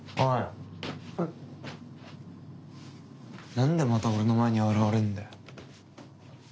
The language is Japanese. なんでまた俺の前に現れんだよ。